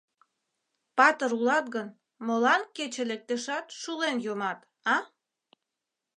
— Патыр улат гын, молан кече лектешат, шулен йомат, а?